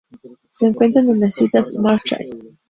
Se encuentran en las islas Marshall.